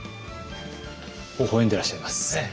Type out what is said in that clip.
ほほ笑んでらっしゃいます。